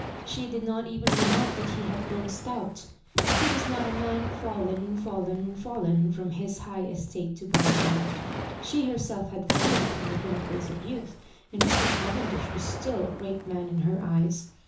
She did not even remark that he had grown stout. He was not a man fallen, fallen, fallen from his high estate to Barbjira. She herself had fallen fh>m the pinnacles of youth, and Mr. Cavendish was still a great man in her eyes.